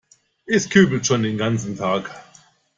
Es kübelt schon den ganzen Tag.